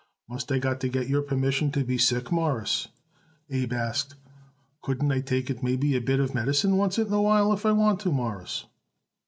"Must I got to get your permission to be sick, Mawruss?" Abe asked. "Couldn't I take it maybe a bit of medicine oncet in a while if I want to, Mawruss?"